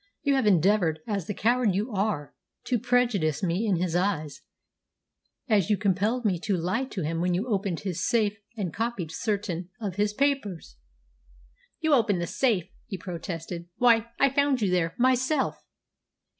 You have endeavoured, as the coward you are, to prejudice me in his eyes, just as you compelled me to lie to him when you opened his safe and copied certain of his papers!" "You opened the safe!" he protested. "Why, I found you there myself!"